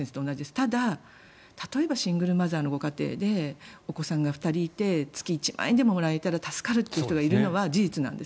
ただ、例えばシングルマザーのご家庭でお子さんが２人いて月１万円でももらえたら助かるという人がいるのは事実なんです。